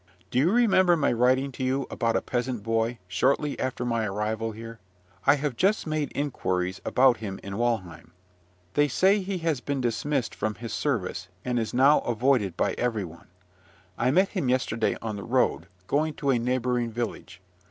Do you remember my writing to you about a peasant boy shortly after my arrival here? I have just made inquiries about him in Walheim. They say he has been dismissed from his service, and is now avoided by every one. I met him yesterday on the road, going to a neighbouring village.